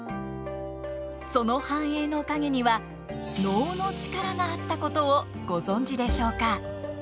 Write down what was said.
その繁栄の陰には能の力があったことをご存じでしょうか？